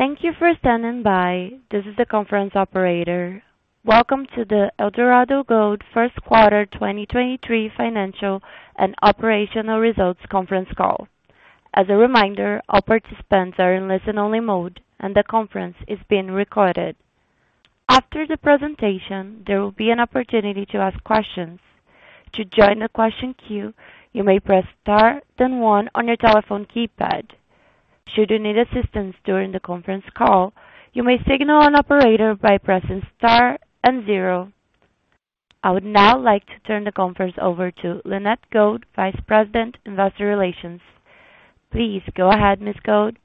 Thank you for standing by. This is the conference operator. Welcome to the Eldorado Gold First Quarter 2023 Financial and Operational Results conference call. As a reminder, all participants are in listen-only mode, and the conference is being recorded. After the presentation, there will be an opportunity to ask questions. To join the question queue, you may press star one on your telephone keypad. Should you need assistance during the conference call, you may signal an operator by pressing star and zero. I would now like to turn the conference over to Lynette Gould, Vice President, Investor Relations. Please go ahead, Ms. Gould.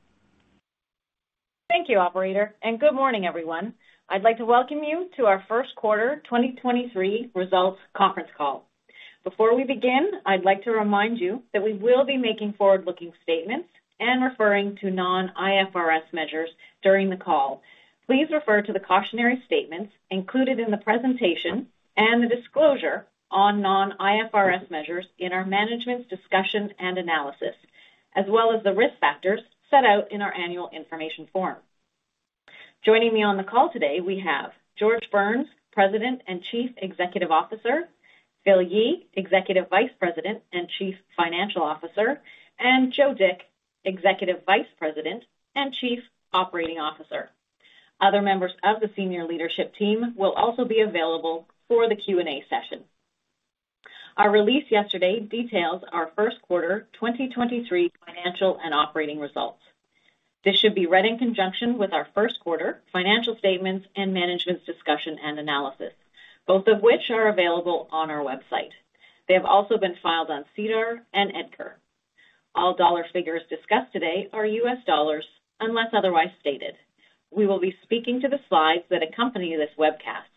Thank you, operator, good morning, everyone. I'd like to welcome you to our first quarter 2023 results conference call. Before we begin, I'd like to remind you that we will be making forward-looking statements and referring to non-IFRS measures during the call. Please refer to the cautionary statements included in the presentation and the disclosure on non-IFRS measures in our management's discussion and analysis, as well as the risk factors set out in our annual information form. Joining me on the call today, we have George Burns, President and Chief Executive Officer, Phil Yee, Executive Vice President and Chief Financial Officer, and Joe Dick, Executive Vice President and Chief Operating Officer. Other members of the senior leadership team will also be available for the Q&A session. Our release yesterday details our first quarter 2023 financial and operating results. This should be read in conjunction with our first quarter financial statements and management's discussion and analysis, both of which are available on our website. They have also been filed on SEDAR and EDGAR. All dollar figures discussed today are US dollars, unless otherwise stated. We will be speaking to the slides that accompany this webcast.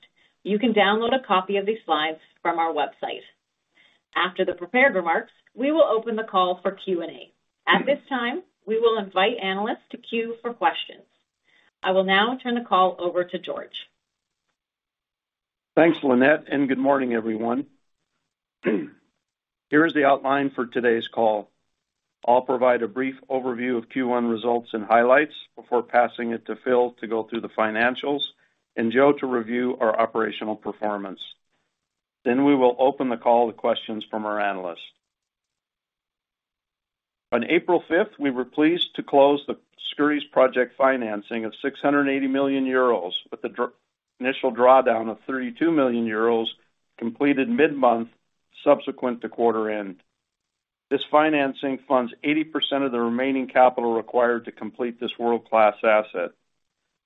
You can download a copy of these slides from our website. After the prepared remarks, we will open the call for Q&A. At this time, we will invite analysts to queue for questions. I will now turn the call over to George. Thanks, Lynette Gould. Good morning, everyone. Here is the outline for today's call. I'll provide a brief overview of Q1 results and highlights before passing it to Phil Yee to go through the financials and Joe Dick to review our operational performance. We will open the call to questions from our analysts. On April 5th, we were pleased to close the Skouries project financing of 680 million euros, with the initial drawdown of 32 million euros completed mid-month, subsequent to quarter end. This financing funds 80% of the remaining capital required to complete this world-class asset.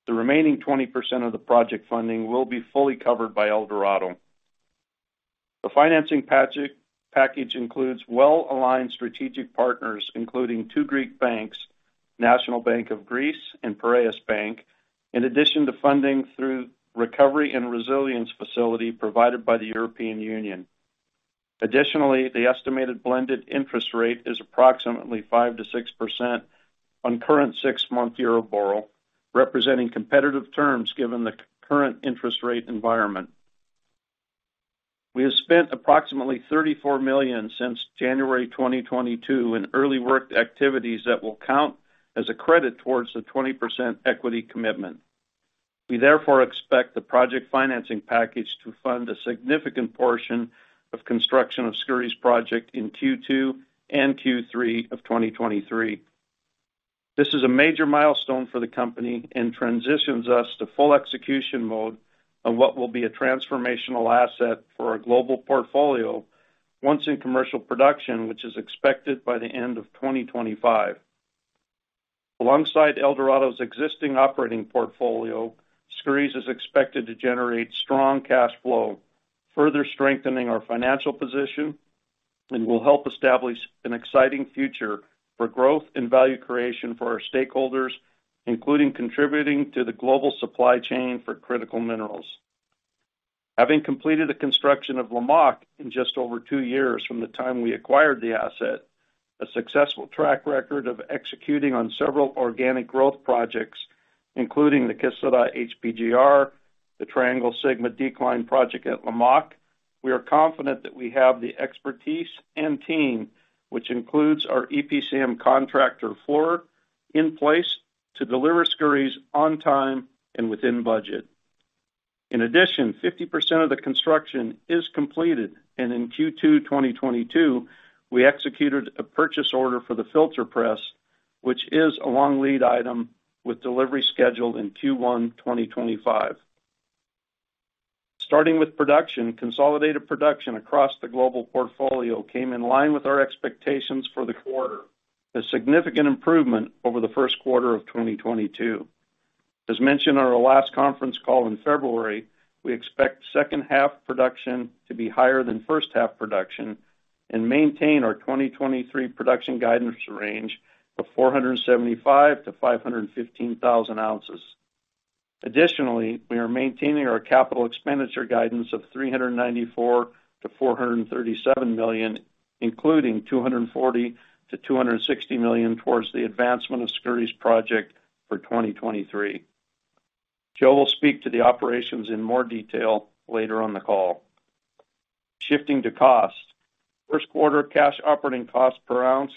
The remaining 20% of the project funding will be fully covered by Eldorado. The financing package includes well-aligned strategic partners, including two Greek banks, National Bank of Greece and Piraeus Bank, in addition to funding through Recovery and Resilience Facility provided by the European Union. Additionally, the estimated blended interest rate is approximately 5%-6% on current six-month EURIBOR, representing competitive terms given the current interest rate environment. We have spent approximately $34 million since January 2022 in early work activities that will count as a credit towards the 20% equity commitment. We therefore expect the project financing package to fund a significant portion of construction of Skouries project in Q2 and Q3 of 2023. This is a major milestone for the company and transitions us to full execution mode on what will be a transformational asset for our global portfolio once in commercial production, which is expected by the end of 2025. Alongside Eldorado's existing operating portfolio, Skouries is expected to generate strong cash flow, further strengthening our financial position and will help establish an exciting future for growth and value creation for our stakeholders, including contributing to the global supply chain for critical minerals. Having completed the construction of Lamaque in just over two years from the time we acquired the asset, a successful track record of executing on several organic growth projects, including the Kışladağ HPGR, the Triangle-Sigma Decline Project at Lamaque, we are confident that we have the expertise and team, which includes our EPCM contractor, Fluor, in place to deliver Skouries on time and within budget. In addition, 50% of the construction is completed, and in Q2 2022, we executed a purchase order for the filter press, which is a long lead item with delivery scheduled in Q1 2025. Starting with production, consolidated production across the global portfolio came in line with our expectations for the quarter, a significant improvement over the first quarter of 2022. As mentioned on our last conference call in February, we expect second half production to be higher than first half production and maintain our 2023 production guidance range of 475,000 oz to 515,000 oz. Additionally, we are maintaining our capital expenditure guidance of $394 million to $437 million, including $240 million to $260 million towards the advancement of Skouries project for 2023. Joe will speak to the operations in more detail later on the call. Shifting to cost. First quarter cash operating costs per ounce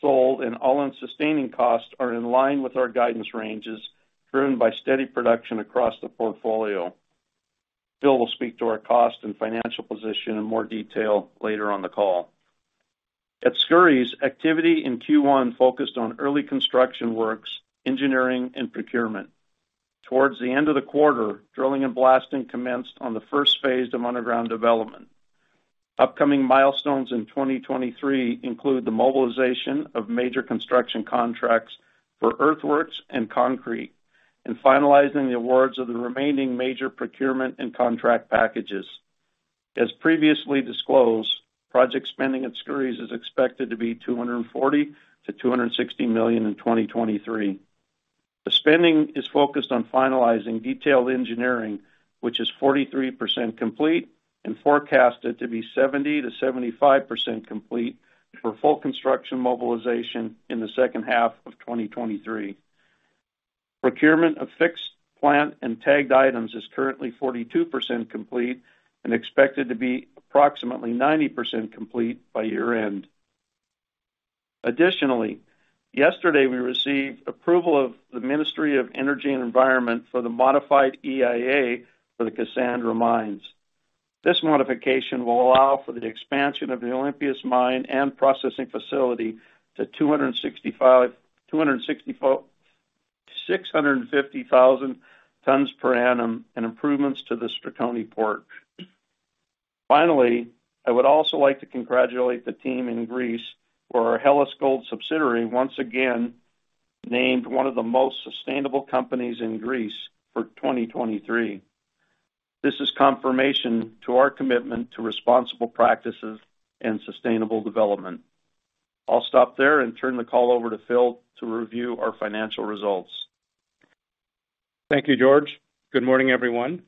sold and all-in sustaining costs are in line with our guidance ranges, driven by steady production across the portfolio. Phil will speak to our cost and financial position in more detail later on the call. At Skouries, activity in Q1 focused on early construction works, engineering and procurement. Towards the end of the quarter, drilling and blasting commenced on the first phase of underground development. Upcoming milestones in 2023 include the mobilization of major construction contracts for earthworks and concrete, and finalizing the awards of the remaining major procurement and contract packages. As previously disclosed, project spending at Skouries is expected to be $240 million to $260 million in 2023. The spending is focused on finalizing detailed engineering, which is 43% complete and forecasted to be 70% to 75% complete for full construction mobilization in the second half of 2023. Procurement of fixed plant and tagged items is currently 42% complete and expected to be approximately 90% complete by year-end. Yesterday we received approval of the Ministry of Energy and Environment for the modified EIA for the Kassandra Mines. This modification will allow for the expansion of the Olympias mine and processing facility to 264,650 tons per annum and improvements to the Stratoni Port. I would also like to congratulate the team in Greece for our Hellas Gold subsidiary, once again named one of the most sustainable companies in Greece for 2023. This is confirmation to our commitment to responsible practices and sustainable development. I'll stop there and turn the call over to Phil to review our financial results. Thank you, George. Good morning, everyone.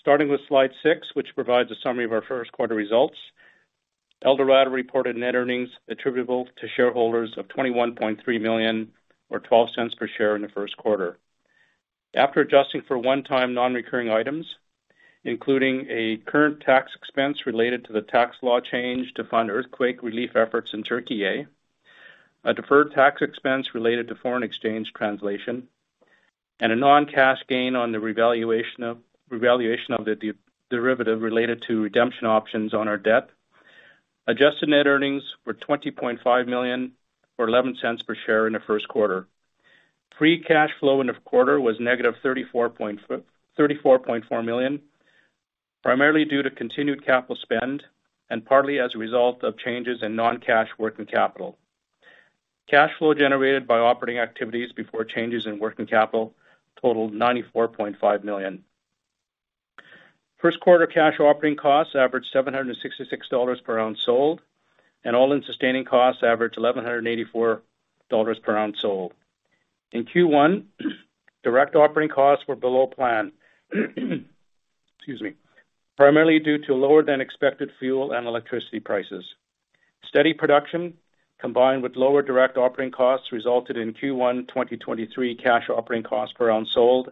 Starting with slide six, which provides a summary of our first quarter results. Eldorado reported net earnings attributable to shareholders of $21.3 million or $0.12 per share in the first quarter. After adjusting for one-time non-recurring items, including a current tax expense related to the tax law change to fund earthquake relief efforts in Türkiye, a deferred tax expense related to foreign exchange translation, and a non-cash gain on the revaluation of the derivative related to redemption options on our debt. Adjusted net earnings were $20.5 million or $0.11 per share in the first quarter. Free cash flow in the quarter was negative $34.4 million, primarily due to continued capital spend and partly as a result of changes in non-cash working capital. Cash flow generated by operating activities before changes in working capital totaled $94.5 million. First quarter cash operating costs averaged $766 per ounce sold and all-in sustaining costs averaged $1,184 per ounce sold. In Q1, direct operating costs were below plan, excuse me, primarily due to lower than expected fuel and electricity prices. Steady production combined with lower direct operating costs resulted in Q1 2023 cash operating costs per ounce sold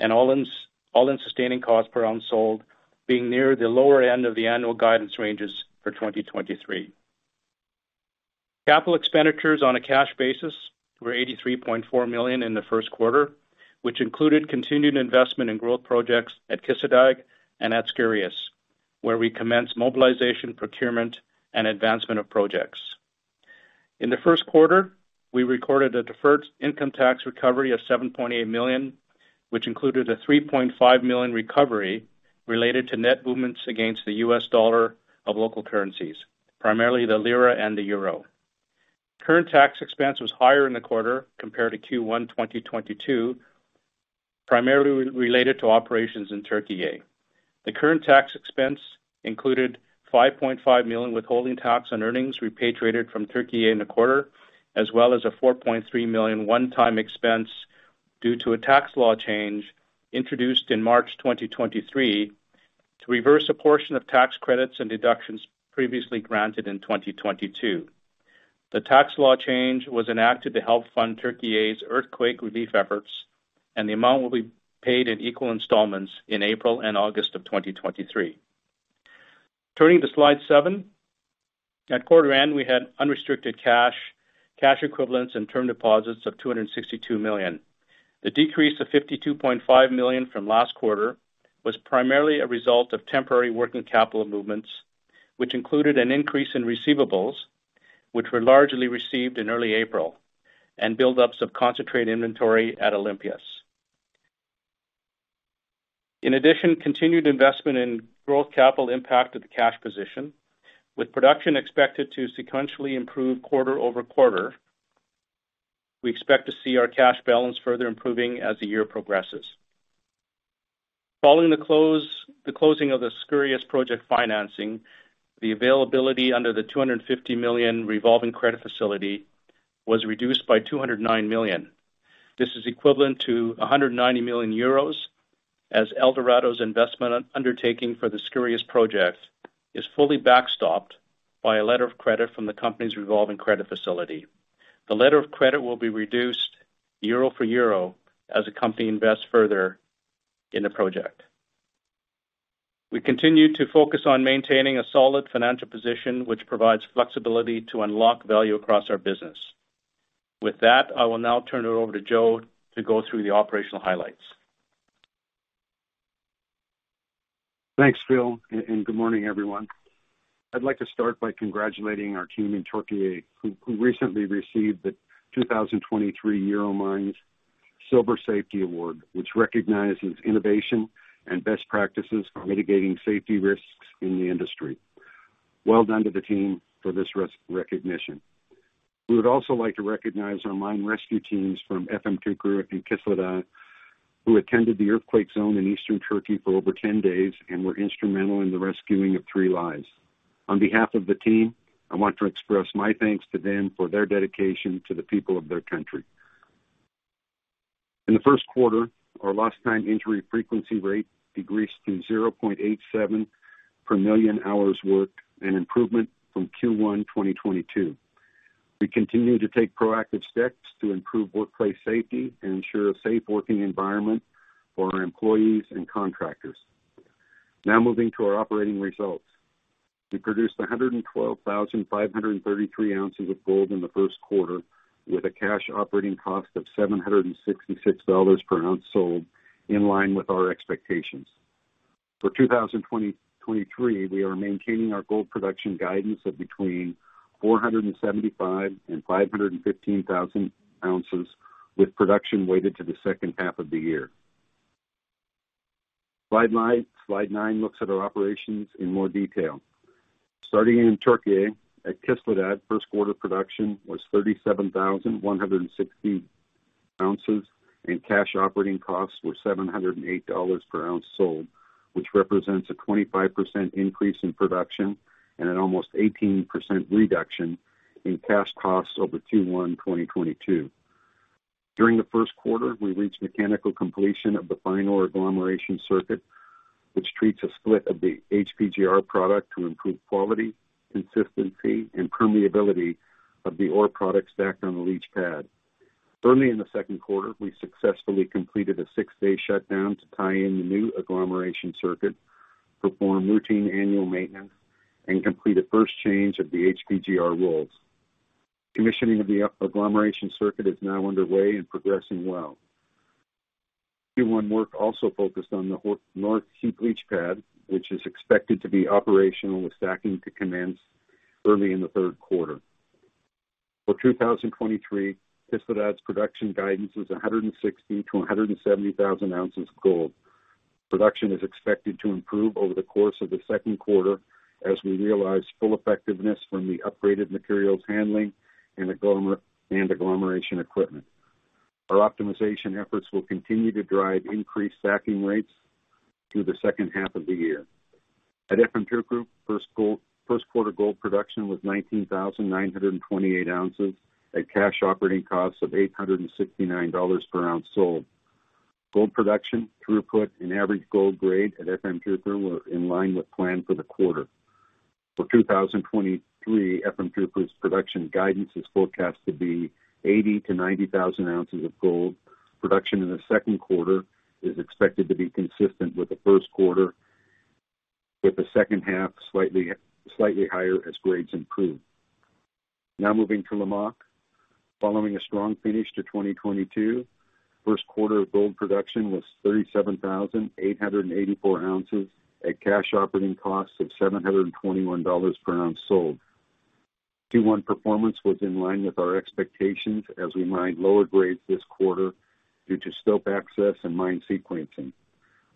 and all-in sustaining costs per ounce sold being near the lower end of the annual guidance ranges for 2023. Capital expenditures on a cash basis were $83.4 million in the first quarter, which included continued investment in growth projects at Kışladağ and at Skouries, where we commenced mobilization, procurement, and advancement of projects. In the first quarter, we recorded a deferred income tax recovery of $7.8 million, which included a $3.5 million recovery related to net movements against the US dollar of local currencies, primarily the lira and the euro. Current tax expense was higher in the quarter compared to Q1 2022, primarily related to operations in Türkiye. The current tax expense included $5.5 million withholding tax on earnings repatriated from Türkiye in the quarter, as well as a $4.3 million one-time expense due to a tax law change introduced in March 2023 to reverse a portion of tax credits and deductions previously granted in 2022. The tax law change was enacted to help fund Türkiye's earthquake relief efforts. The amount will be paid in equal installments in April and August of 2023. Turning to slide 7. At quarter end, we had unrestricted cash equivalents and term deposits of $262 million. The decrease of $52.5 million from last quarter was primarily a result of temporary working capital movements, which included an increase in receivables, which were largely received in early April, and buildups of concentrate inventory at Olympias. Continued investment in growth capital impacted the cash position. With production expected to sequentially improve quarter-over-quarter, we expect to see our cash balance further improving as the year progresses. Following the closing of the Skouries project financing, the availability under the $250 million revolving credit facility was reduced by $209 million. This is equivalent to 190 million euros as Eldorado's investment undertaking for the Skouries project is fully backstopped by a letter of credit from the company's revolving credit facility. The letter of credit will be reduced euro for euro as the company invests further in the project. We continue to focus on maintaining a solid financial position, which provides flexibility to unlock value across our business. With that, I will now turn it over to Joe to go through the operational highlights. Thanks, Phil, and good morning, everyone. I'd like to start by congratulating our team in Türkiye, who recently received the 2023 Euromines Silver Safety Award, which recognizes innovation and best practices for mitigating safety risks in the industry. Well done to the team for this recognition. We would also like to recognize our mine rescue teams from Efemçukuru and Kışladağ, who attended the earthquake zone in Eastern Türkiye for over 10 days and were instrumental in the rescuing of three lives. On behalf of the team, I want to express my thanks to them for their dedication to the people of their country. In the first quarter, our lost-time injury frequency rate decreased to 0.87 per million hours worked, an improvement from Q1 2022. We continue to take proactive steps to improve workplace safety and ensure a safe working environment for our employees and contractors. Now moving to our operating results. We produced 112,533 oz of gold in the first quarter with a cash operating cost of $766 per ounce sold, in line with our expectations. For 2023, we are maintaining our gold production guidance of between 475,000 oz and 515,000 oz, with production weighted to the second half of the year. Slide nine. Slide nine looks at our operations in more detail. Starting in Türkiye, at Kışladağ first quarter production was 37,160 oz, and cash operating costs were $708 per ounce sold, which represents a 25% increase in production and an almost 18% reduction in cash costs over Q1 2022. During the first quarter, we reached mechanical completion of the final agglomeration circuit, which treats a split of the HPGR product to improve quality, consistency, and permeability of the ore product stacked on the leach pad. Early in the second quarter, we successfully completed a six-day shutdown to tie in the new agglomeration circuit, perform routine annual maintenance, and complete a first change of the HPGR rolls. Commissioning of the agglomeration circuit is now underway and progressing well. Q1 work also focused on the north heap leach pad, which is expected to be operational, with stacking to commence early in the third quarter. 2023, Kışladağ's production guidance is 160,000 oz to 170,000 oz gold. Production is expected to improve over the course of the second quarter as we realize full effectiveness from the upgraded materials handling and agglomeration equipment. Our optimization efforts will continue to drive increased stacking rates through the second half of the year. At Efemçukuru, first gold, first quarter gold production was 19,928 oz at cash operating costs of $869 per ounce sold. Gold production throughput and average gold grade at Efemçukuru were in line with plan for the quarter. For 2023, Efemçukuru's production guidance is forecast to be 80,000 oz to 90,000 oz of gold. Production in the second quarter is expected to be consistent with the first quarter, with the second half slightly higher as grades improve. Moving to Lamaque. Following a strong finish to 2022, first quarter gold production was 37,884 oz at cash operating costs of $721 per ounce sold. Q1 performance was in line with our expectations as we mined lower grades this quarter due to stope access and mine sequencing.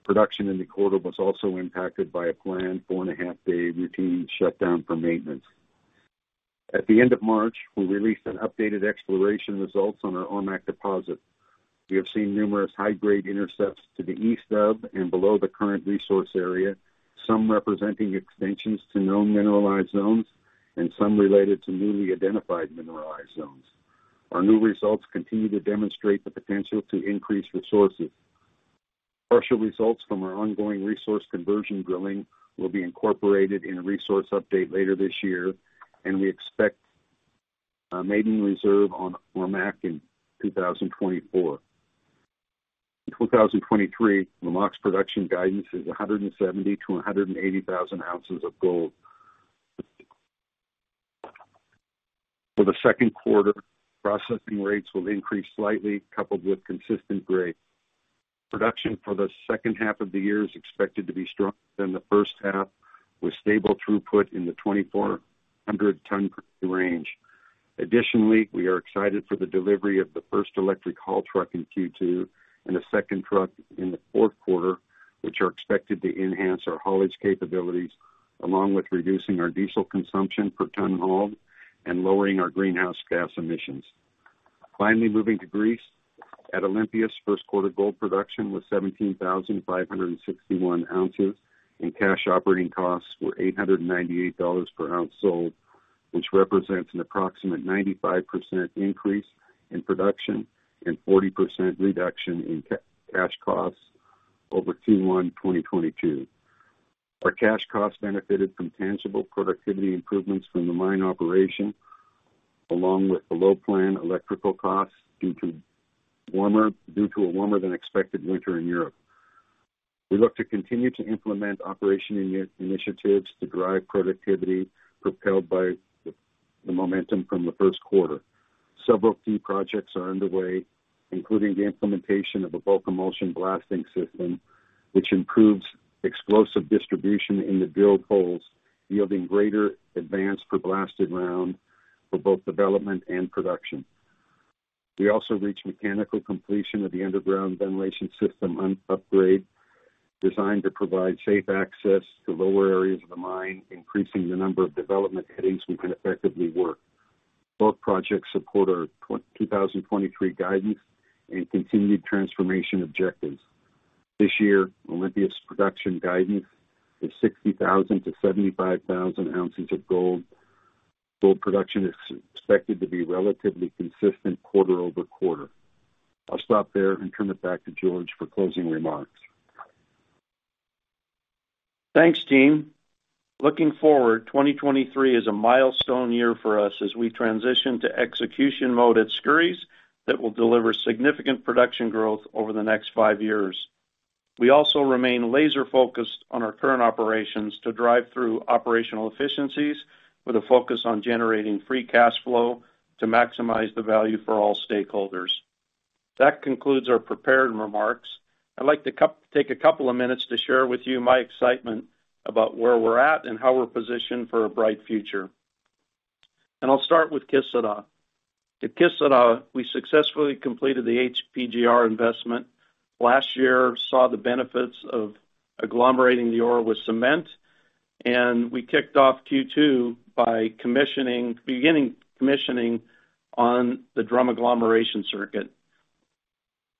Production in the quarter was also impacted by a planned 4.5-day routine shutdown for maintenance. At the end of March, we released an updated exploration results on our Ormaque deposit. We have seen numerous high grade intercepts to the east of and below the current resource area, some representing extensions to known mineralized zones and some related to newly identified mineralized zones. Our new results continue to demonstrate the potential to increase resources. Partial results from our ongoing resource conversion drilling will be incorporated in a resource update later this year, and we expect a maiden reserve on Ormaque in 2024. In 2023, Lamaque's production guidance is 170,000 oz to 180,000 oz of gold. For the second quarter, processing rates will increase slightly, coupled with consistent grade. Production for the second half of the year is expected to be stronger than the first half, with stable throughput in the 2,400 ton range. Additionally, we are excited for the delivery of the first electric haul truck in Q2 and a second truck in the fourth quarter, which are expected to enhance our haulage capabilities along with reducing our diesel consumption per ton hauled and lowering our greenhouse gas emissions. Finally, moving to Greece. At Olympias, first quarter gold production was 17,561 oz, and cash operating costs were $898 per ounce sold, which represents an approximate 95% increase in production and 40% reduction in cash costs over Q1 2022. Our cash cost benefited from tangible productivity improvements from the mine operation, along with the low plan electrical costs due to a warmer than expected winter in Europe. We look to continue to implement operation initiatives to drive productivity propelled by the momentum from the first quarter. Several key projects are underway, including the implementation of a bulk emulsion blasting system, which improves explosive distribution in the drill holes, yielding greater advance per blasted round for both development and production. We also reached mechanical completion of the underground ventilation system upgrade, designed to provide safe access to lower areas of the mine, increasing the number of development headings we can effectively work. Both projects support our 2023 guidance and continued transformation objectives. This year, Olympias production guidance is 60,000 oz to 75,000 oz of gold. Gold production is expected to be relatively consistent quarter-over-quarter. I'll stop there and turn it back to George for closing remarks. Thanks, team. Looking forward, 2023 is a milestone year for us as we transition to execution mode at Skouries that will deliver significant production growth over the next 5 years. We also remain laser focused on our current operations to drive through operational efficiencies with a focus on generating free cash flow to maximize the value for all stakeholders. That concludes our prepared remarks. I'd like to take a couple of minutes to share with you my excitement about where we're at and how we're positioned for a bright future. I'll start with Kışladağ. At Kışladağ, we successfully completed the HPGR investment. Last year, saw the benefits of agglomerating the ore with cement, and we kicked off Q2 by beginning commissioning on the drum agglomeration circuit.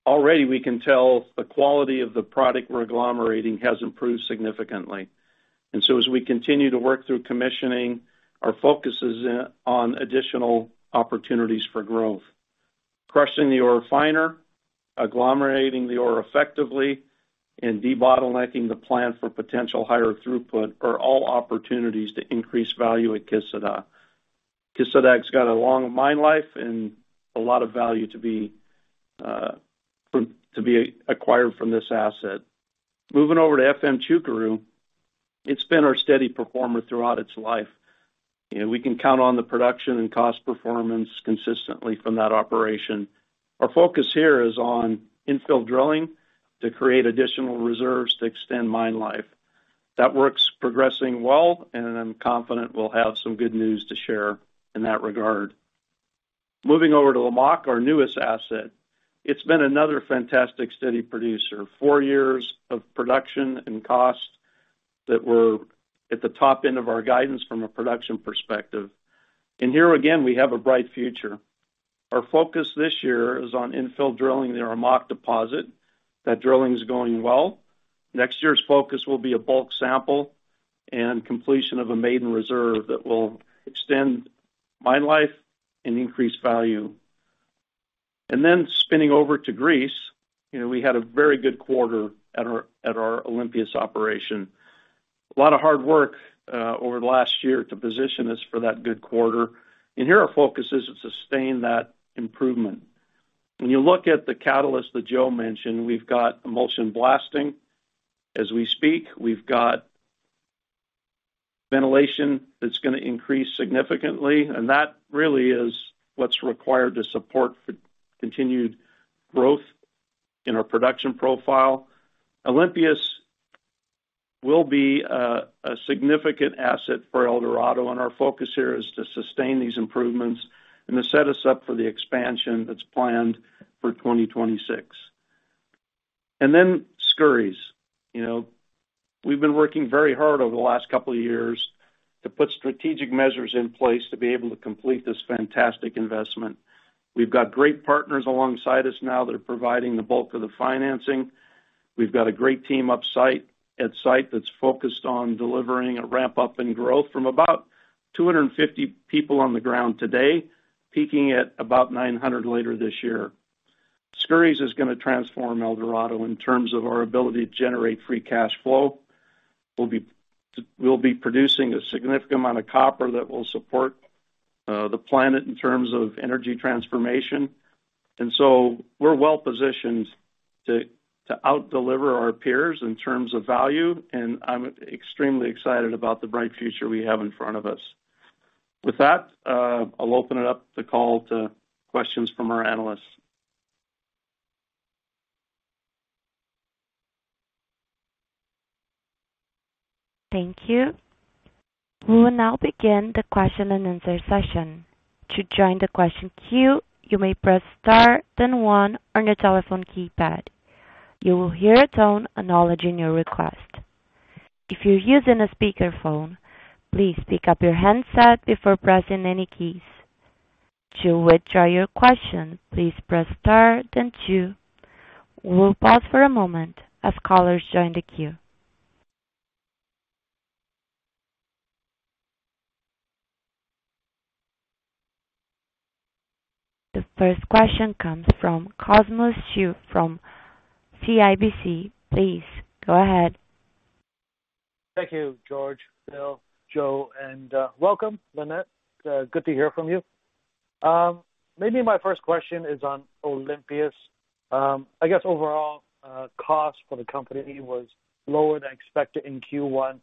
Already we can tell the quality of the product we're agglomerating has improved significantly. As we continue to work through commissioning, our focus is on additional opportunities for growth. Crushing the ore finer, agglomerating the ore effectively, and debottlenecking the plant for potential higher throughput are all opportunities to increase value at Kışladağ. Kışladağ's got a long mine life and a lot of value to be acquired from this asset. Moving over to Efemçukuru, it's been our steady performer throughout its life. You know, we can count on the production and cost performance consistently from that operation. Our focus here is on infill drilling to create additional reserves to extend mine life. That work's progressing well, and I'm confident we'll have some good news to share in that regard. Moving over to Lamaque, our newest asset, it's been another fantastic steady producer. Four years of production and cost that were at the top end of our guidance from a production perspective. Here again, we have a bright future. Our focus this year is on infill drilling the Lamaque deposit. That drilling is going well. Next year's focus will be a bulk sample and completion of a maiden reserve that will extend mine life and increase value. Spinning over to Greece, you know, we had a very good quarter at our Olympias operation. A lot of hard work over the last year to position us for that good quarter. Here our focus is to sustain that improvement. When you look at the catalyst that Joe mentioned, we've got emulsion blasting as we speak. We've got ventilation that's gonna increase significantly, and that really is what's required to support continued growth in our production profile. Olympias will be a significant asset for Eldorado, and our focus here is to sustain these improvements and to set us up for the expansion that's planned for 2026. Skouries. You know, we've been working very hard over the last couple of years to put strategic measures in place to be able to complete this fantastic investment. We've got great partners alongside us now that are providing the bulk of the financing. We've got a great team at site that's focused on delivering a ramp-up in growth from about 250 people on the ground today, peaking at about 900 later this year. Skouries is gonna transform Eldorado in terms of our ability to generate free cash flow. We'll be producing a significant amount of copper that will support the planet in terms of energy transformation. We're well-positioned to out-deliver our peers in terms of value, and I'm extremely excited about the bright future we have in front of us. With that, I'll open it up the call to questions from our analysts. Thank you. We will now begin the question and answer session. To join the question queue, you may press Star then One on your telephone keypad. You will hear a tone acknowledging your request. If you're using a speakerphone, please pick up your handset before pressing any keys. To withdraw your question, please press Star then Two. We'll pause for a moment as callers join the queue. The first question comes from Cosmos Chiu from CIBC. Please go ahead. Thank you, George, Phil, Joe, and welcome, Lynette. Good to hear from you. Maybe my first question is on Olympias. I guess overall, cost for the company was lower than expected in Q1.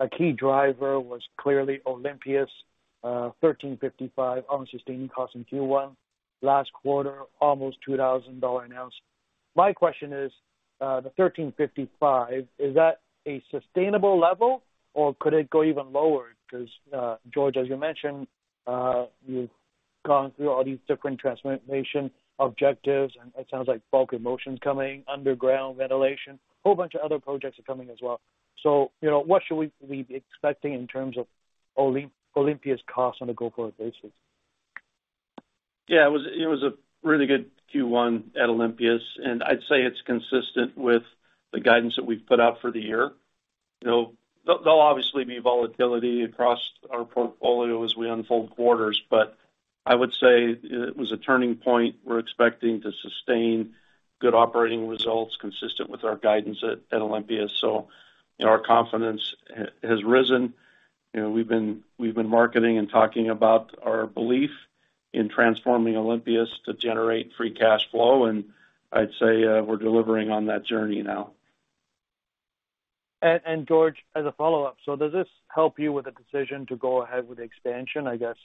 A key driver was clearly Olympias, 1,355 unsustaining cost in Q1. Last quarter, almost $2,000 an ounce. My question is, the 1,355, is that a sustainable level, or could it go even lower? Because George, as you mentioned, you've gone through all these different transformation objectives, and it sounds like bulk emulsion coming, underground ventilation, whole bunch of other projects are coming as well. You know, what should we be expecting in terms of Olympias cost on a go-forward basis? It was a really good Q1 at Olympias, and I'd say it's consistent with the guidance that we've put out for the year. You know, they'll obviously be volatility across our portfolio as we unfold quarters, but I would say it was a turning point. We're expecting to sustain good operating results consistent with our guidance at Olympias. You know, our confidence has risen. You know, we've been marketing and talking about our belief in transforming Olympias to generate free cash flow, and I'd say, we're delivering on that journey now. George, as a follow-up, does this help you with the decision to go ahead with the expansion, I guess?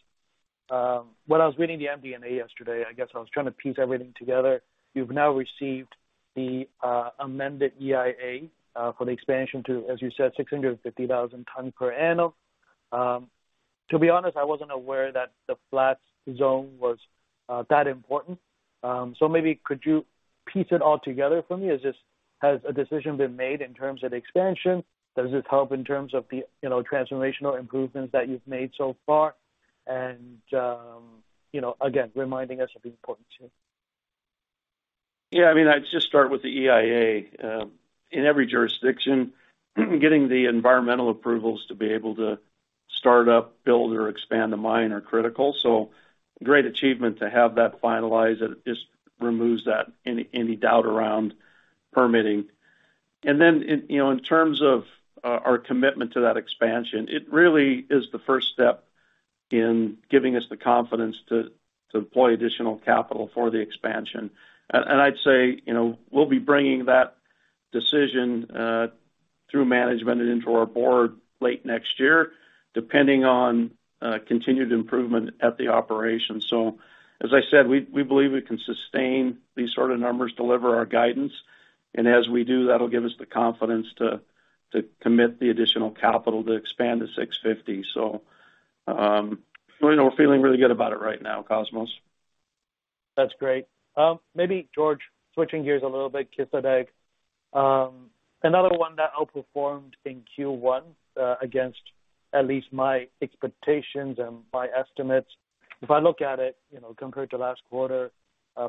When I was reading the MD&A yesterday, I guess I was trying to piece everything together. You've now received the amended EIA for the expansion to, as you said, 650,000 tons per annum. To be honest, I wasn't aware that the flat zone was that important. Maybe could you piece it all together for me? Has a decision been made in terms of the expansion? Does this help in terms of the, you know, transformational improvements that you've made so far? You know, again, reminding us of the importance here. I mean, I'd just start with the EIA. In every jurisdiction, getting the environmental approvals to be able to start up, build or expand the mine are critical. Great achievement to have that finalized. It just removes any doubt around permitting. Then, you know, in terms of our commitment to that expansion, it really is the first step in giving us the confidence to deploy additional capital for the expansion. I'd say, you know, we'll be bringing that decision through management and into our board late next year, depending on continued improvement at the operation. As I said, we believe we can sustain these sort of numbers, deliver our guidance. As we do, that'll give us the confidence to commit the additional capital to expand to 650. You know, we're feeling really good about it right now, Cosmos. That's great. Maybe George, switching gears a little bit, Kışladağ. Another one that outperformed in Q1 against at least my expectations and my estimates. If I look at it, you know, compared to last quarter,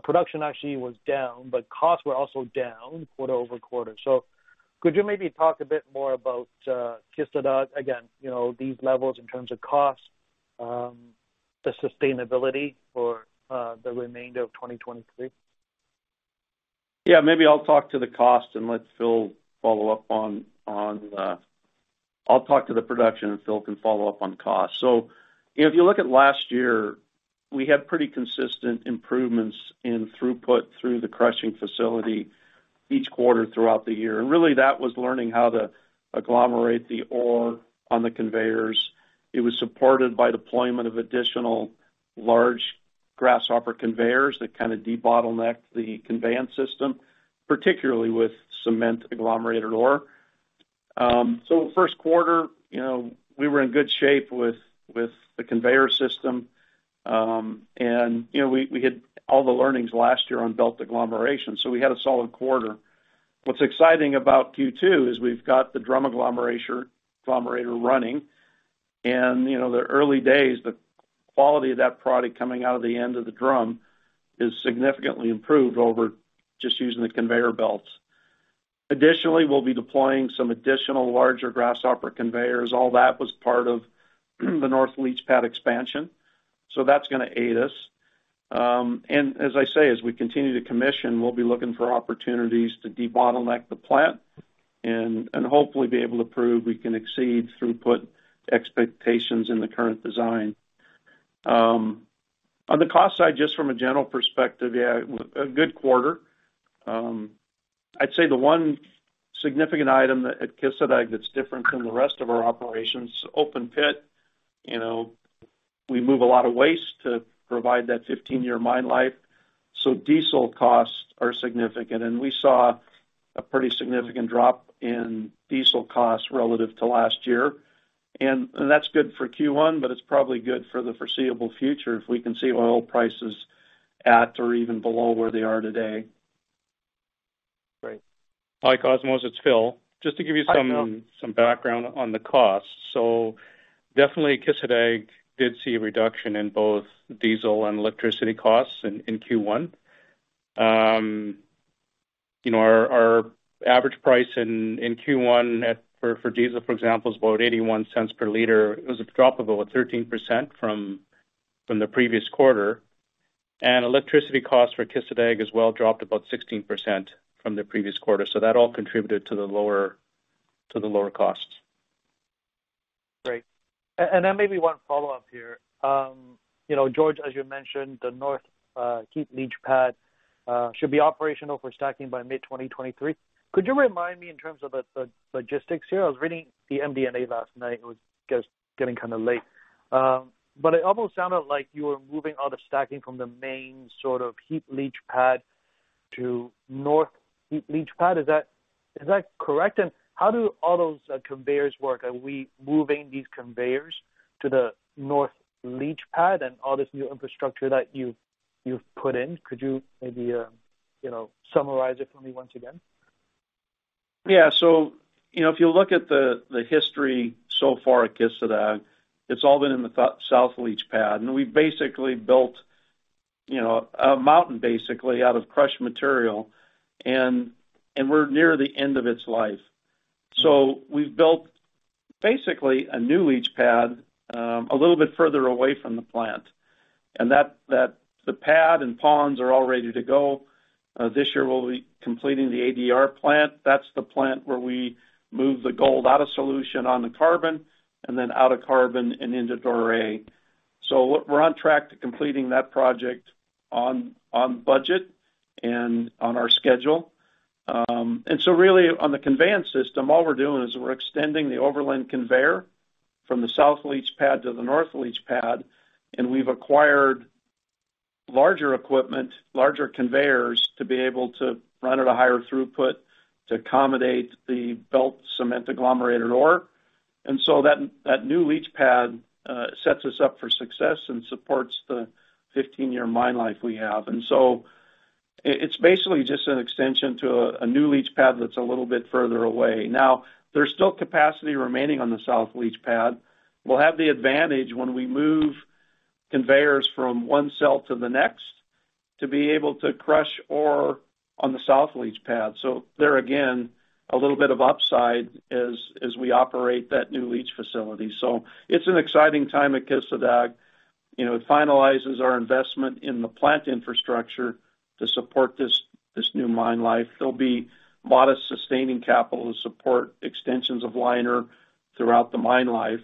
production actually was down, but costs were also down quarter-over-quarter. Could you maybe talk a bit more about Kışladağ? Again, you know, these levels in terms of cost, the sustainability for the remainder of 2023. Yeah, maybe I'll talk to the cost and let Phil follow up on. I'll talk to the production and Phil can follow up on cost. You know, if you look at last year, we had pretty consistent improvements in throughput through the crushing facility each quarter throughout the year. Really that was learning how to agglomerate the ore on the conveyors. It was supported by deployment of additional large grasshopper conveyors that kind of debottlenecked the conveyance system, particularly with cement agglomerator ore. First quarter, you know, we were in good shape with the conveyor system. You know, we had all the learnings last year on belt agglomeration, we had a solid quarter. What's exciting about Q2 is we've got the drum agglomerator running. You know, the early days, the quality of that product coming out of the end of the drum is significantly improved over just using the conveyor belts. Additionally, we'll be deploying some additional larger grasshopper conveyors. All that was part of the North Leach Pad expansion. That's gonna aid us. As I say, as we continue to commission, we'll be looking for opportunities to debottleneck the plant and hopefully be able to prove we can exceed throughput expectations in the current design. On the cost side, just from a general perspective, yeah, a good quarter. I'd say the one significant item at Kışladağ that's different from the rest of our operations, open pit, you know, we move a lot of waste to provide that 15-year mine life. Diesel costs are significant. We saw a pretty significant drop in diesel costs relative to last year. That's good for Q1, but it's probably good for the foreseeable future if we can see oil prices at or even below where they are today. Great. Hi, Cosmos, it's Phil. Hi, Phil. Just to give you some background on the cost. Definitely Kışladağ did see a reduction in both diesel and electricity costs in Q1. You know, our average price in Q1 for diesel, for example, is about $0.81 per liter. It was a drop of about 13% from the previous quarter. Electricity costs for Kışladağ as well dropped about 16% from the previous quarter. That all contributed to the lower, to the lower costs. Great. Then maybe one follow-up here. You know, George, as you mentioned, the north heap leach pad should be operational for stacking by mid 2023. Could you remind me in terms of the logistics here? I was reading the MD&A last night. It was, I guess, getting kind of late. It almost sounded like you were moving all the stacking from the main sort of heap leach pad to north heap leach pad. Is that correct? How do all those conveyors work? Are we moving these conveyors to the north leach pad and all this new infrastructure that you've put in? Could you maybe, you know, summarize it for me once again? You know, if you look at the history so far at Kışladağ, it's all been in the so-south leach pad. We've basically built, you know, a mountain basically out of crushed material and we're near the end of its life. We've built basically a new leach pad, a little bit further away from the plant, and that. The pad and ponds are all ready to go. This year we'll be completing the ADR plant. That's the plant where we move the gold out of solution on the carbon and then out of carbon and into doré. We're on track to completing that project on budget and on our schedule. Really, on the conveyance system, all we're doing is we're extending the overland conveyor from the south leach pad to the north leach pad, and we've acquired larger equipment, larger conveyors to be able to run at a higher throughput to accommodate the belt cement agglomerator ore. That new leach pad sets us up for success and supports the 15-year mine life we have. It's basically just an extension to a new leach pad that's a little bit further away. There's still capacity remaining on the south leach pad. We'll have the advantage when we move conveyors from one cell to the next to be able to crush ore on the south leach pad. There again, a little bit of upside as we operate that new leach facility. It's an exciting time at Kışladağ. You know, it finalizes our investment in the plant infrastructure to support this new mine life. There'll be modest sustaining capital to support extensions of liner throughout the mine life.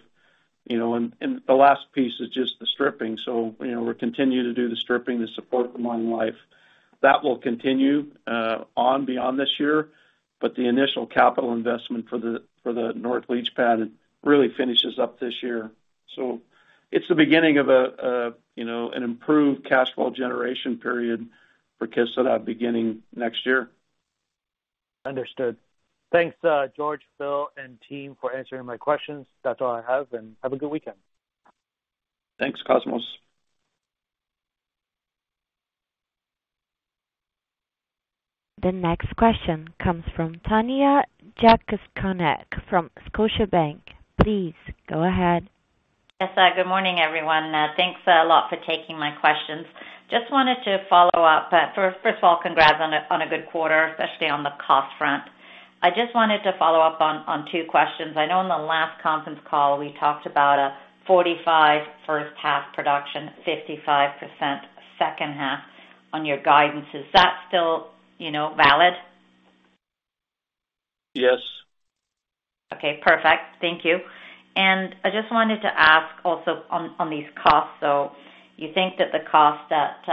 You know, and the last piece is just the stripping. You know, we'll continue to do the stripping to support the mine life. That will continue on beyond this year, but the initial capital investment for the north leach pad really finishes up this year. It's the beginning of a, you know, an improved cash flow generation period for Kışladağ beginning next year. Understood. Thanks, George, Phil and team for answering my questions. That's all I have, and have a good weekend. Thanks, Cosmos. The next question comes from Tanya Jakusconek from Scotiabank. Please go ahead. Yes. Good morning, everyone. Thanks a lot for taking my questions. Just wanted to follow up. First of all, congrats on a good quarter, especially on the cost front. I just wanted to follow up on two questions. I know in the last conference call we talked about a 45% first half production, 55% second half on your guidance. Is that still, you know, valid? Yes. Okay, perfect. Thank you. I just wanted to ask also on these costs. You think that the costs at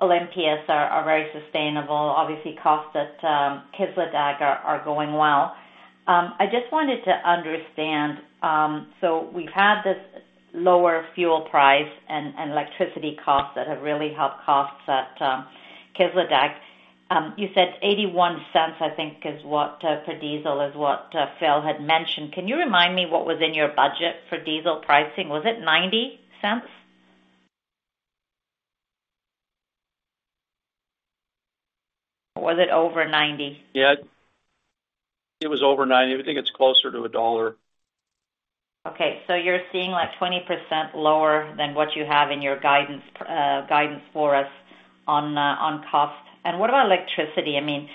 Olympias are very sustainable. Obviously costs at Kışladağ are going well. I just wanted to understand. We've had this lower fuel price and electricity costs that have really helped costs at Kışladağ. You said $0.81, I think, is what for diesel is what Phil had mentioned. Can you remind me what was in your budget for diesel pricing? Was it $0.90? Or was it over $0.90? Yeah. It was over $0.90. I think it's closer to $1.00. You're seeing like 20% lower than what you have in your guidance for us on cost. What about electricity? I mean,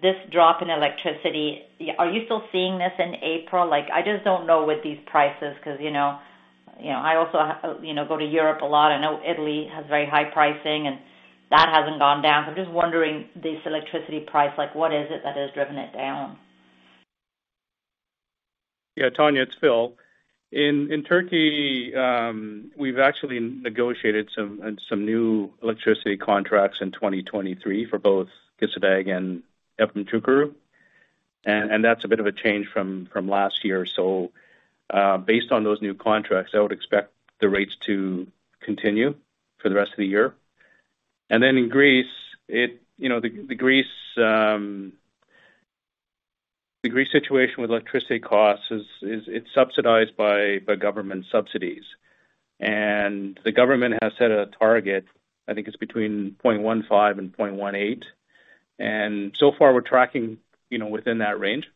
this drop in electricity, are you still seeing this in April? Like, I just don't know with these prices because, you know, I also, you know, go to Europe a lot. I know Italy has very high pricing and that hasn't gone down. I'm just wondering, this electricity price, like what is it that has driven it down? Yeah, Tanya, it's Phil. In Turkey, we've actually negotiated some new electricity contracts in 2023 for both Kışladağ and Efemçukuru. That's a bit of a change from last year. Based on those new contracts, I would expect the rates to continue for the rest of the year. In Greece, you know, the Greece situation with electricity costs is it's subsidized by government subsidies. The government has set a target, I think it's between 0.15 and 0.18. So far we're tracking, you know, within that range.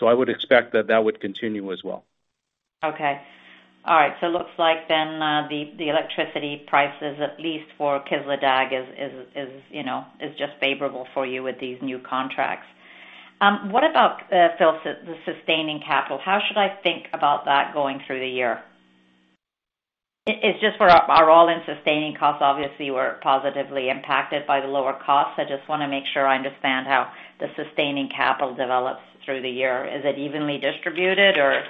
I would expect that would continue as well. Okay. All right. Looks like then, the electricity prices, at least for Kışladağ is, you know, just favorable for you with these new contracts. What about Phil, the sustaining capital? How should I think about that going through the year? It's just for our all-in sustaining costs, obviously we're positively impacted by the lower costs. I just wanna make sure I understand how the sustaining capital develops through the year. Is it evenly distributed, or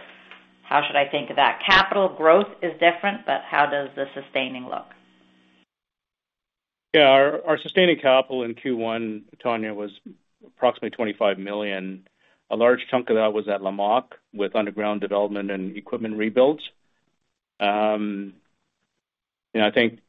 how should I think of that? Capital growth is different, but how does the sustaining look? Yeah. Our, our sustaining capital in Q1, Tanya, was approximately $25 million. A large chunk of that was at Lamaque with underground development and equipment rebuilds. You know, I think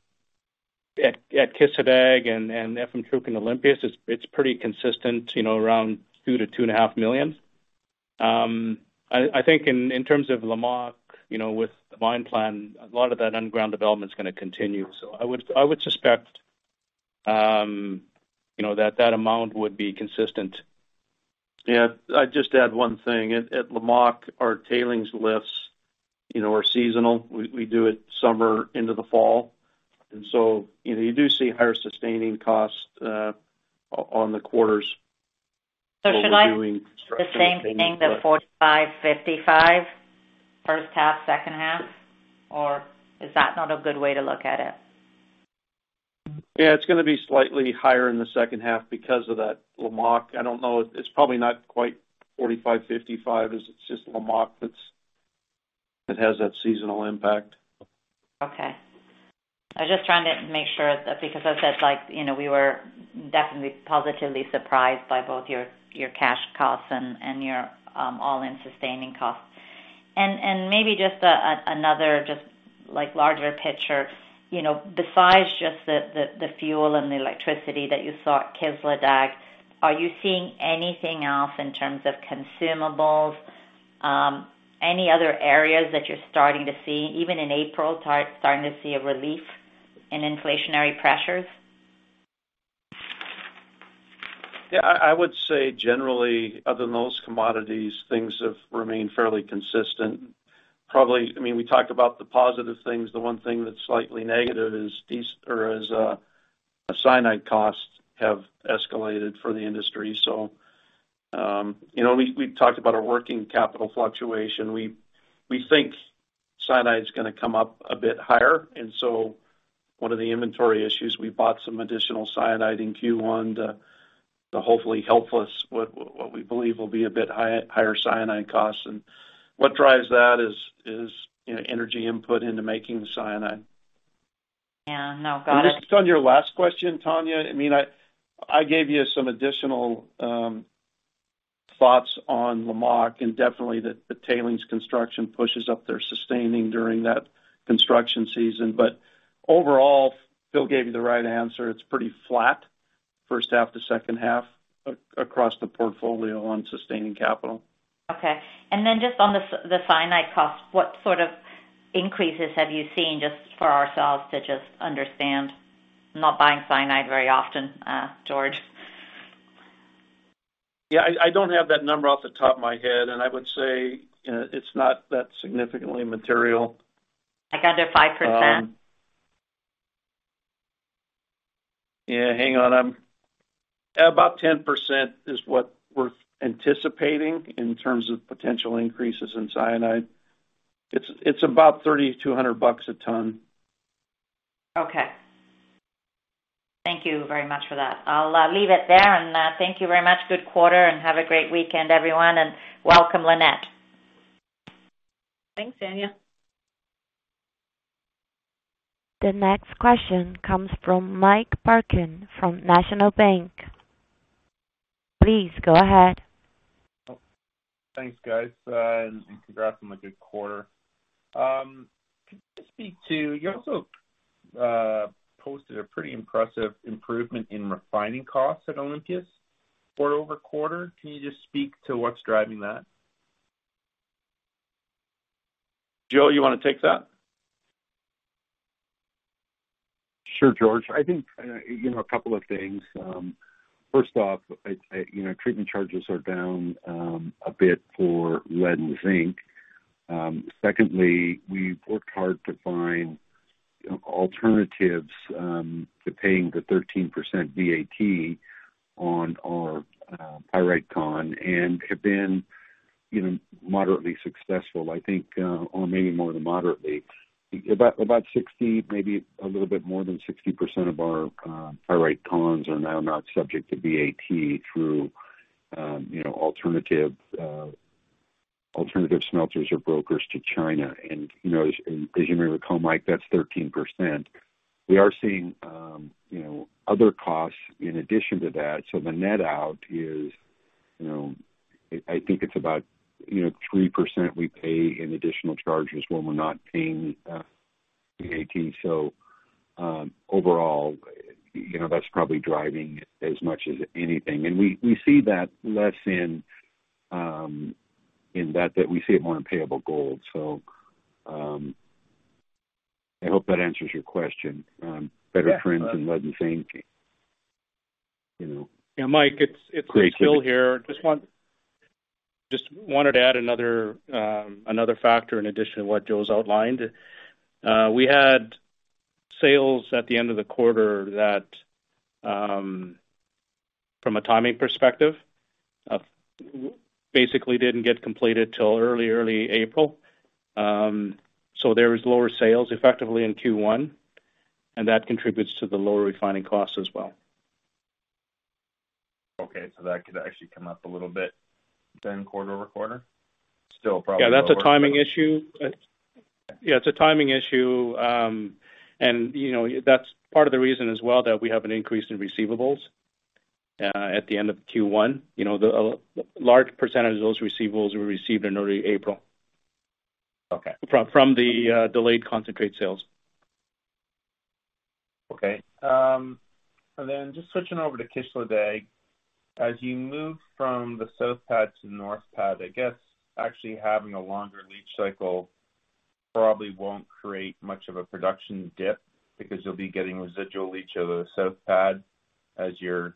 at Kışladağ and Efemçukuru and Olympias, it's pretty consistent, you know, around $2 million-$2.5 million. I think in terms of Lamaque, you know, with the mine plan, a lot of that underground development's gonna continue. I would suspect, you know, that that amount would be consistent. Yeah. I'd just add one thing. At Lamaque, our tailings lifts, you know, are seasonal. We do it summer into the fall. You know, you do see higher sustaining costs on the quarters while we're doing construction and things like that. Should I expect the same thing, the 45, 55 first half, second half, or is that not a good way to look at it? Yeah, it's gonna be slightly higher in the second half because of that Lamaque. I don't know. It's probably not quite 45, 55, as it's just Lamaque that has that seasonal impact. Okay. I was just trying to make sure that, because I said, like, you know, we were definitely positively surprised by both your cash costs and your all-in sustaining costs. Maybe just another, like, larger picture. You know, besides just the fuel and the electricity that you saw at Kışladağ, are you seeing anything else in terms of consumables, any other areas that you're starting to see, even in April, starting to see a relief in inflationary pressures? Yeah. I would say generally, other than those commodities, things have remained fairly consistent. I mean, we talked about the positive things. The one thing that's slightly negative is cyanide costs have escalated for the industry. You know, we talked about our working capital fluctuation. We think cyanide's gonna come up a bit higher. One of the inventory issues, we bought some additional cyanide in Q1 to hopefully help us with what we believe will be a bit higher cyanide costs. What drives that is, you know, energy input into making the cyanide. Yeah. No, got it. Just on your last question, Tanya, I mean, I gave you some additional thoughts on Lamaque, and definitely the tailings construction pushes up their sustaining during that construction season. Overall, Phil gave you the right answer. It's pretty flat first half to second half across the portfolio on sustaining capital. Okay. Then just on the cyanide cost, what sort of increases have you seen, just for ourselves to just understand? Not buying cyanide very often, George. Yeah. I don't have that number off the top of my head, I would say it's not that significantly material. Like under 5%? Yeah. Hang on. About 10% is what we're anticipating in terms of potential increases in cyanide. It's about $3,200 a ton. Okay. Thank you very much for that. I'll leave it there. Thank you very much. Good quarter, and have a great weekend, everyone, and welcome, Lynette. Thanks, Tanya. The next question comes from Mike Parkin from National Bank. Please go ahead. Thanks, guys, congrats on the good quarter. Could you just speak to. You also posted a pretty impressive improvement in refining costs at Olympias quarter-over-quarter. Can you just speak to what's driving that? George? You wanna take that? Sure, George. I think, you know, a couple of things. First off, I, you know, treatment charges are down a bit for lead and zinc. Secondly, we've worked hard to find, you know, alternatives to paying the 13% VAT on our pyrite concentrate and have been, you know, moderately successful, I think, or maybe more than moderately. About 60, maybe a little bit more than 60% of our pyrite cons are now not subject to VAT through, you know, alternative alternative smelters or brokers to China. You know, as you may recall, Mike, that's 13%. We are seeing, you know, other costs in addition to that. The net out is, you know... I think it's about, you know, 3% we pay in additional charges when we're not paying VAT. Overall, you know, that's probably driving as much as anything. We see that less in that we see it more in payable gold. I hope that answers your question, better friends than blood and fame, you know. Yeah, Mike, it's Bill here. Just wanted to add another factor in addition to what Joe's outlined. We had sales at the end of the quarter that, from a timing perspective, basically didn't get completed till early April. There was lower sales effectively in Q1, and that contributes to the lower refining costs as well. Okay. That could actually come up a little bit then quarter-over-quarter. Still probably. Yeah, that's a timing issue. Yeah, it's a timing issue. You know, that's part of the reason as well that we have an increase in receivables at the end of Q1. You know, the large percentage of those receivables we received in early April. Okay. From the delayed concentrate sales. Okay. Just switching over to Kışladağ, as you move from the south pad to the north pad, I guess actually having a longer leach cycle probably won't create much of a production dip because you'll be getting residual leach of the south pad as you're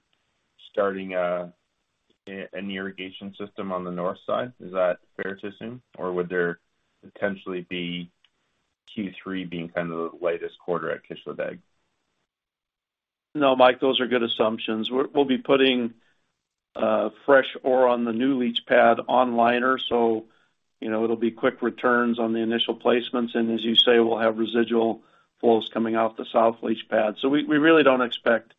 starting, an irrigation system on the north side. Is that fair to assume? Or would there potentially be Q3 being kind of the lightest quarter at Kışladağ? No, Mike, those are good assumptions. We'll be putting fresh ore on the new leach pad on liner, so you know, it'll be quick returns on the initial placements, and as you say, we'll have residual flows coming off the south leach pad. We really don't expect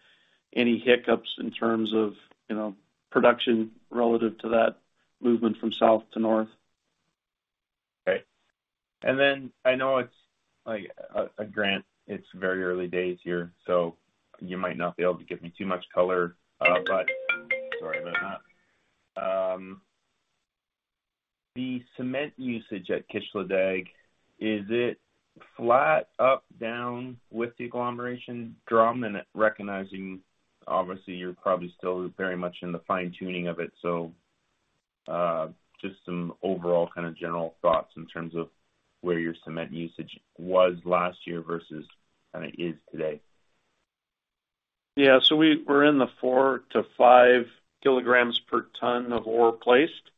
any hiccups in terms of, you know, production relative to that movement from south to north. I know it's like Grant, it's very early days here, so you might not be able to give me too much color. But sorry about that. The cement usage at Kışladağ, is it flat up, down with the agglomeration drum? Recognizing, obviously, you're probably still very much in the fine-tuning of it. Just some overall kind of general thoughts in terms of where your cement usage was last year versus kind of is today. Yeah. We're in the 4 kg to 5 kg per ton of ore placed.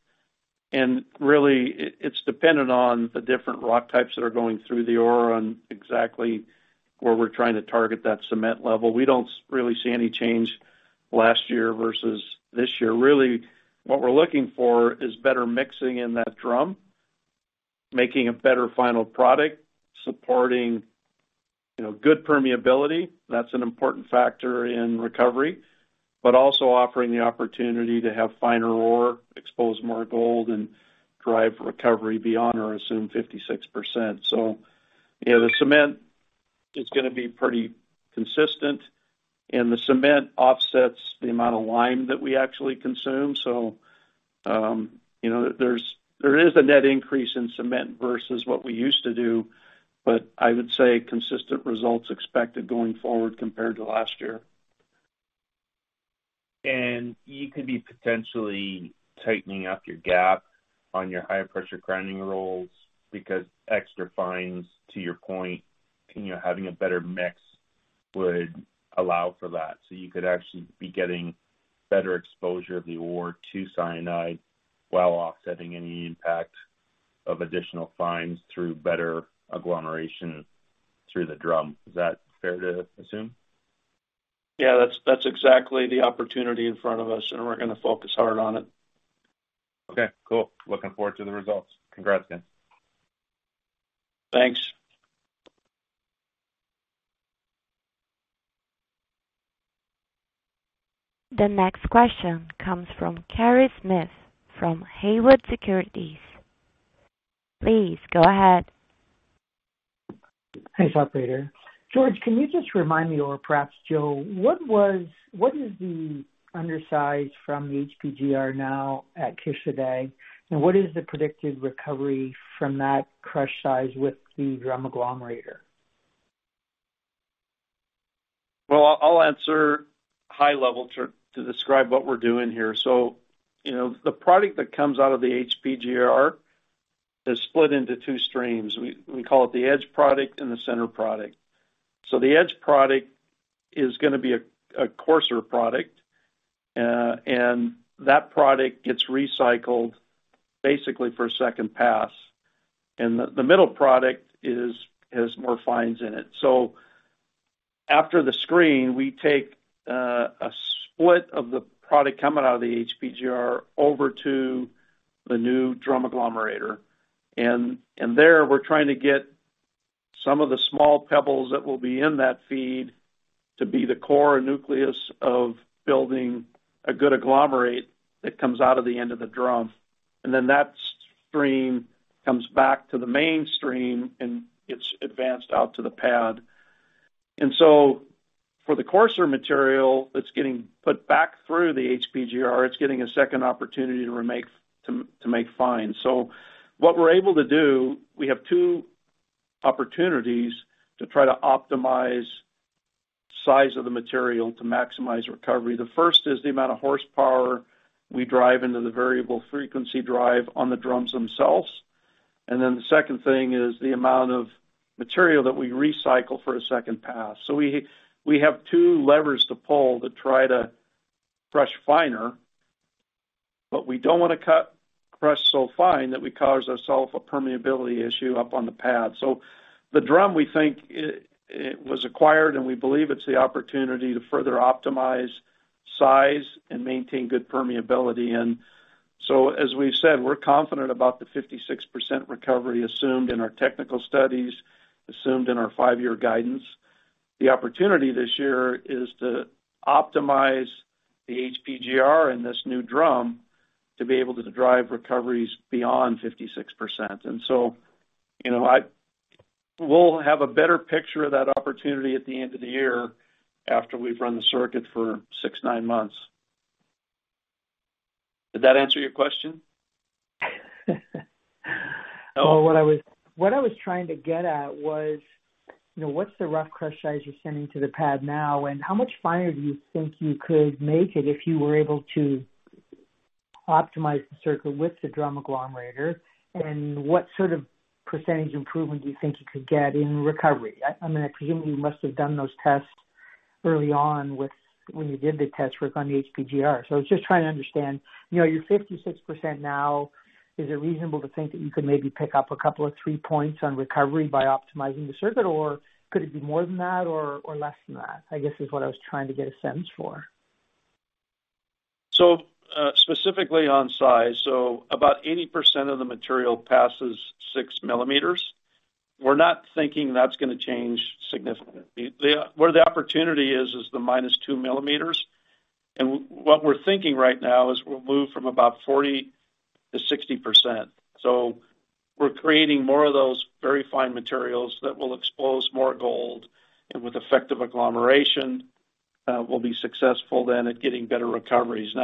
Really, it's dependent on the different rock types that are going through the ore and exactly where we're trying to target that cement level. We don't really see any change last year versus this year. Really, what we're looking for is better mixing in that drum, making a better final product, supporting, you know, good permeability. That's an important factor in recovery. Also offering the opportunity to have finer ore expose more gold and drive recovery beyond our assumed 56%. Yeah, the cement is gonna be pretty consistent, and the cement offsets the amount of lime that we actually consume. You know, there is a net increase in cement versus what we used to do. I would say consistent results expected going forward compared to last year. You could be potentially tightening up your gap on your high-pressure grinding rolls because extra fines, to your point, you know, having a better mix would allow for that. You could actually be getting better exposure of the ore to cyanide while offsetting any impact of additional fines through better agglomeration through the drum. Is that fair to assume? Yeah. That's exactly the opportunity in front of us, and we're gonna focus hard on it. Okay, cool. Looking forward to the results. Congrats again. Thanks. The next question comes from Kerry Smith from Haywood Securities. Please go ahead. Hey, operator. George, can you just remind me or perhaps Joe, what is the undersize from the HPGR now at Kışladağ? What is the predicted recovery from that crush size with the drum agglomerator? Well, I'll answer high level to describe what we're doing here. You know, the product that comes out of the HPGR is split into two streams. We call it the edge product and the center product. The edge product is going to be a coarser product. That product gets recycled basically for a second pass. The middle product has more fines in it. After the screen, we take a split of the product coming out of the HPGR over to the new drum agglomerator. There, we're trying to get some of the small pebbles that will be in that feed to be the core and nucleus of building a good agglomerate that comes out of the end of the drum. That stream comes back to the mainstream, and it's advanced out to the pad. For the coarser material that's getting put back through the HPGR, it's getting a second opportunity to remake, to make fines. What we're able to do, we have two opportunities to try to optimize size of the material to maximize recovery. The first is the amount of horsepower we drive into the variable frequency drive on the drums themselves. The second thing is the amount of material that we recycle for a second pass. We have two levers to pull to try to crush finer, but we don't wanna crush so fine that we cause ourself a permeability issue up on the pad. The drum we think, it was acquired, and we believe it's the opportunity to further optimize size and maintain good permeability. As we've said, we're confident about the 56% recovery assumed in our technical studies, assumed in our 5-year guidance. The opportunity this year is to optimize the HPGR and this new drum to be able to drive recoveries beyond 56%. You know, we'll have a better picture of that opportunity at the end of the year after we've run the circuit for 6, 9 months. Did that answer your question? No? What I was trying to get at was, you know, what's the rough crush size you're sending to the pad now? How much finer do you think you could make it if you were able to optimize the circuit with the drum agglomerator? What sort of % improvement do you think you could get in recovery? I mean, I presume you must have done those tests early on with when you did the test work on the HPGR. I was just trying to understand, you know, your 56% now, is it reasonable to think that you could maybe pick up a 2-3 points on recovery by optimizing the circuit, or could it be more than that or less than that, I guess, is what I was trying to get a sense for. Specifically on size, about 80% of the material passes 6 millimeters. We're not thinking that's going to change significantly. Where the opportunity is the -2 mm. What we're thinking right now is we'll move from about 40% to 60%. We're creating more of those very fine materials that will expose more gold, and with effective agglomeration, we'll be successful then at getting better recoveries.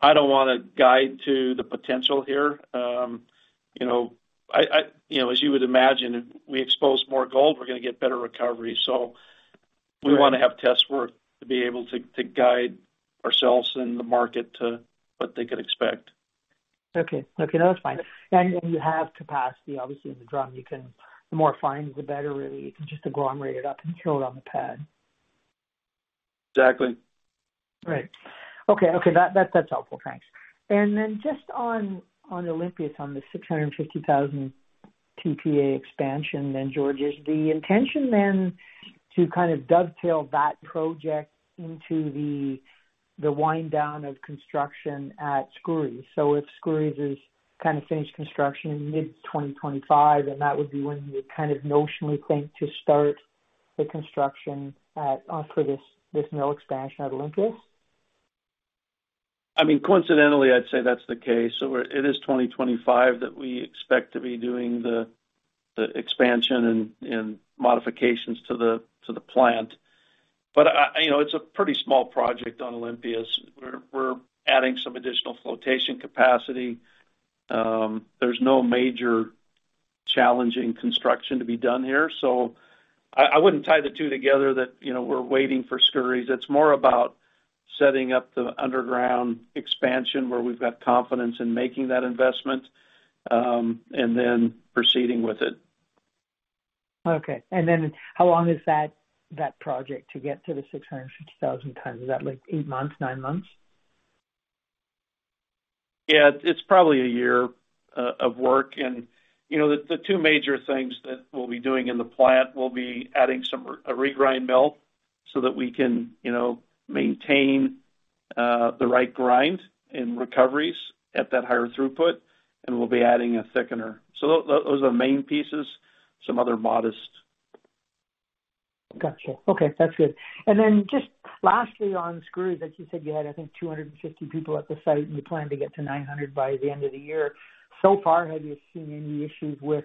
I don't want to guide to the potential here. You know, I, you know, as you would imagine, if we expose more gold, we're going to get better recovery. We want to have test work to be able to guide ourselves and the market to what they could expect. Okay. Okay, no, that's fine. You have capacity, obviously, in the drum. You can the more fine, the better really. You can just agglomerate it up and kill it on the pad. Exactly. Right. Okay. Okay. That's helpful. Thanks. Just on Olympias, on the 650,000 TPA expansion then, George. Is the intention then to kind of dovetail that project into the wind down of construction at Skouries? If Skouries is kind of finished construction in mid-2025, and that would be when you kind of notionally think to start the construction at for this mill expansion at Olympias? I mean, coincidentally, I'd say that's the case. It is 2025 that we expect to be doing the expansion and modifications to the, to the plant. I, you know, it's a pretty small project on Olympias. We're, we're adding some additional flotation capacity. There's no major challenging construction to be done here. I wouldn't tie the two together that, you know, we're waiting for Skouries. It's more about setting up the underground expansion where we've got confidence in making that investment, and then proceeding with it. Okay. Then how long is that project to get to the 650,000 tons? Is that like eight months, nine months? Yeah. It's probably a year of work. You know, the two major things that we'll be doing in the plant will be adding a regrind mill so that we can, you know, maintain the right grind and recoveries at that higher throughput, and we'll be adding a thickener. Those are main pieces, some other modest. Gotcha. Okay, that's good. Then just lastly on Skouries, as you said, you had, I think, 250 people at the site, and you plan to get to 900 by the end of the year. Far, have you seen any issues with,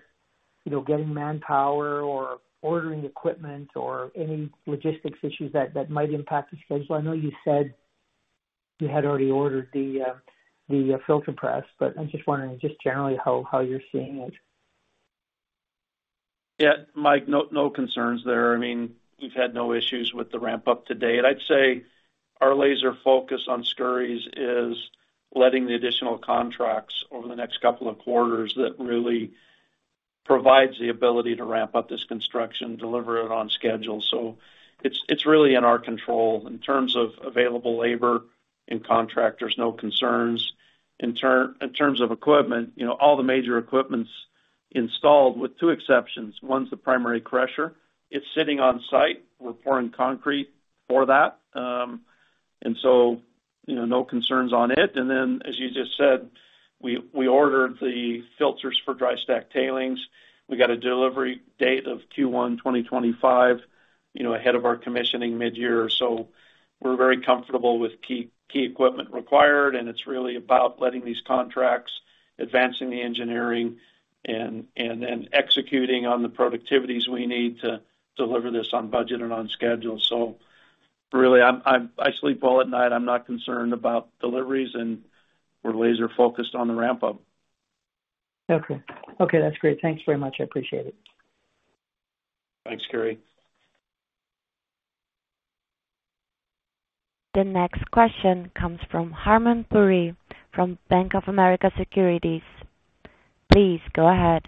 you know, getting manpower or ordering equipment or any logistics issues that might impact the schedule? I know you said you had already ordered the filter press, I'm just wondering just generally how you're seeing it. Yeah. Mike, no concerns there. I mean, we've had no issues with the ramp up to date. I'd say our laser focus on Skouries is letting the additional contracts over the next couple of quarters that really provides the ability to ramp up this construction, deliver it on schedule. It's really in our control. In terms of available labor and contractors, no concerns. In terms of equipment, you know, all the major equipment's installed with two exceptions. One's the primary crusher. It's sitting on site. We're pouring concrete for that. You know, no concerns on it. As you just said, we ordered the filters for dry stack tailings. We got a delivery date of Q1 2025, you know, ahead of our commissioning midyear. We're very comfortable with key equipment required, and it's really about letting these contracts, advancing the engineering and then executing on the productivities we need to deliver this on budget and on schedule. Really, I sleep well at night. I'm not concerned about deliveries, and we're laser focused on the ramp up. Okay. Okay, that's great. Thanks very much. I appreciate it. Thanks, Kerry. The next question comes from Harman Puri from Bank of America Securities. Please go ahead.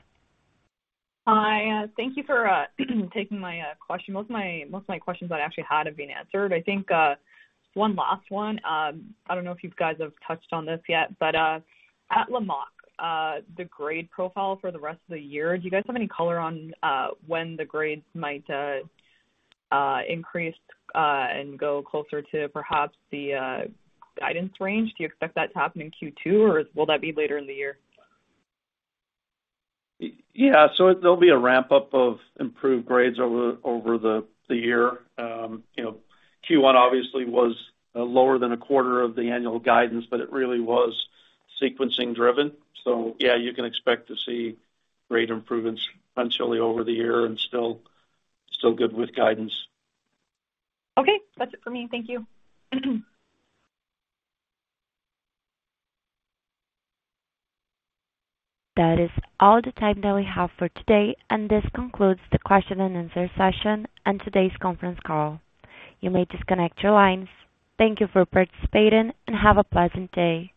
Hi. Thank you for taking my question. Most of my questions I actually had have been answered. I think one last one. I don't know if you guys have touched on this yet. At Lamaque, the grade profile for the rest of the year, do you guys have any color on when the grades might increase and go closer to perhaps the guidance range? Do you expect that to happen in Q2, or will that be later in the year? Yeah. There'll be a ramp up of improved grades over the year. you know, Q1 obviously was lower than a quarter of the annual guidance, but it really was sequencing driven. Yeah, you can expect to see great improvements eventually over the year and still good with guidance. Okay. That's it for me. Thank you. That is all the time that we have for today, and this concludes the question and answer session and today's conference call. You may disconnect your lines. Thank you for participating, and have a pleasant day.